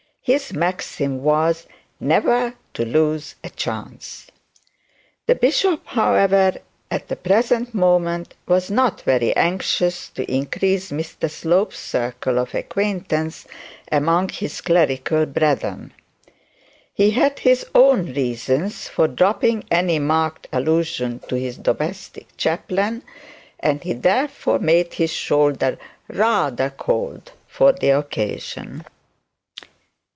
His maxim was never to lose a chance. The bishop, however, at the present moment was not very anxious to increase Mr Slope's circle of acquaintance among his clerical brethren. He had his own reasons for dropping any marked allusion to his domestic chaplain, and he therefore made his shoulder rather cold for the occasion.